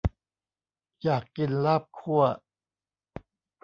อยากกินลาบคั่ว